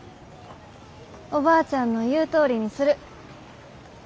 おばあちゃんの言うとおりにする。